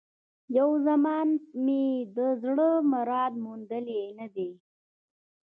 یو زمان مي د زړه مراد موندلی نه دی